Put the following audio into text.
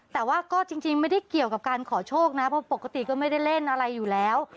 แต่ว่าก็จริงไม่ได้เกี่ยวกับการขอโชคนะเพราะปกติก็ไม่ได้เล่นอะไรอยู่แล้ว